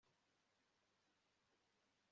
Wakoze ibishoboka byose